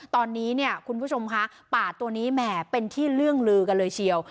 ตอนนี้เนี่ยคุณผู้ชมคะป่าตัวนี้แหมเป็นที่เรื่องลือกันเลยเชียว